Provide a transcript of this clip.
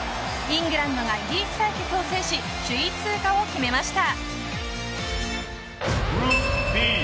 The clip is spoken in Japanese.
イングランドがイギリス対決を制し、首位通過を決めました。